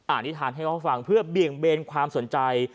อ่านฤทธิ์ฐานให้เพื่อเบียงเบนความสนใจ